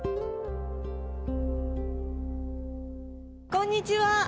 こんにちは。